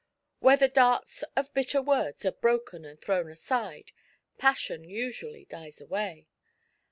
Where the darts of *' bitter words" are broken and thrown aside, passion usually dies away.